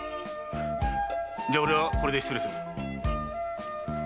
じゃあ俺はこれで失礼する。